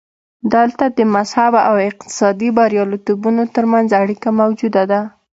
دلته د مذهب او اقتصادي بریالیتوبونو ترمنځ اړیکه موجوده ده.